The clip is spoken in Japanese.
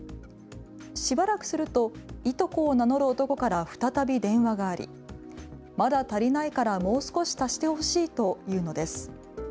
しばらくするといとこを名乗る男から再び電話がありまだ足りないからもう少し足してほしいというのです。